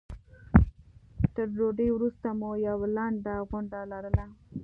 تر ډوډۍ وروسته مو یوه لنډه غونډه لرله.